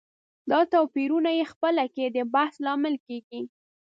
دا توپيرونه یې خپله کې د بحث لامل کېږي.